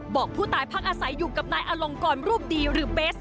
บอกผู้ตายพักอาศัยอยู่กับนายอลงกรรูปดีหรือเบส